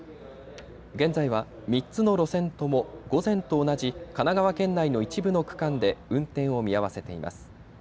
現在は３つの路線とも午前と同じ神奈川県内の一部の区間で運転を見合わせています。